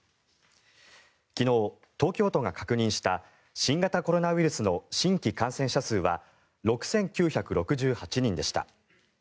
昨日、東京都が確認した新型コロナウイルスの新規感染者数は６９６８人でした。